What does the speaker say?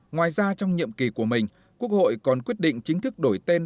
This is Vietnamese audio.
ngoài ra trong nhiệm kỳ của mình quốc hội còn quyết định chính thức đổi tên